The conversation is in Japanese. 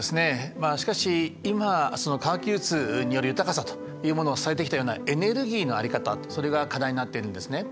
まあしかし今その科学技術による豊かさというものを支えてきたようなエネルギーの在り方それが課題になってるんですね。